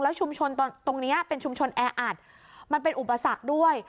ชุมชนตรงนี้เป็นชุมชนแออัดมันเป็นอุปสรรคด้วย